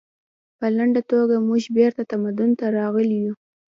په لنډه توګه موږ بیرته تمدن ته راغلي یو